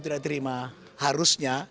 tidak diterima harusnya